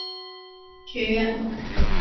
学院的文凭由金斯顿大学大学发放。